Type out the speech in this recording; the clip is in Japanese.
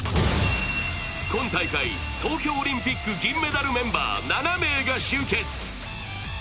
今大会、東京オリンピック銀メダルメンバー７名が集結。